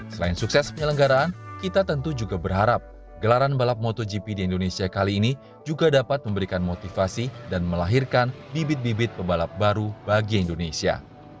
selain sukses penyelenggaraan kita tentu juga berharap gelaran balap motogp di indonesia kali ini juga dapat memberikan motivasi dan melahirkan bibit bibit pebalap baru bagi indonesia